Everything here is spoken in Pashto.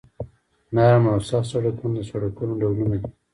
نرم او سخت سرکونه د سرکونو ډولونه دي